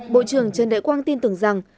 bộ trưởng trần đại quang tin tưởng rằng